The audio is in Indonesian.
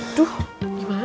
aduh gimana ya